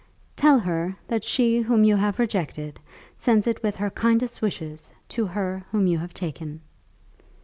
"Tell her that she whom you have rejected sends it with her kindest wishes to her whom you have taken."